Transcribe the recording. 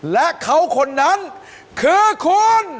และเขาคนนั้นคือคุณ